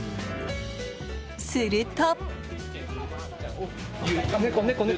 すると。